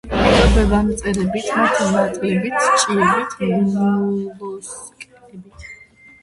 იკვებება მწერებით, მათი მატლებით, ჭიებით, მოლუსკებით.